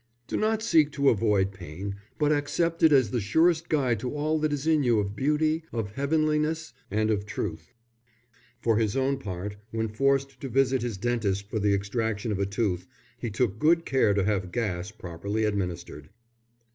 Do not seek to avoid pain, but accept it as the surest guide to all that is in you of beauty, of heavenliness, and of truth." For his own part, when forced to visit his dentist for the extraction of a tooth, he took good care to have gas properly administered.